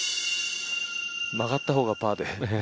曲がった方がパーで。